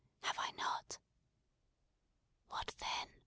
Have I not?" "What then?"